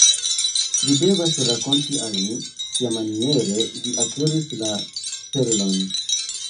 Vi devas rakonti al mi, kiamaniere vi akiris la perlon.